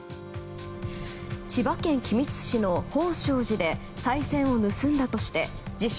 千葉県君津市の宝性寺でさい銭を盗んだとして自称